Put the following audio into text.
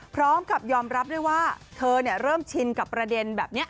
พร้อมกับยอมรับด้วยว่าเธอเริ่มชินกับประเด็นแบบนี้